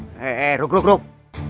eh eh eh ruk ruk ruk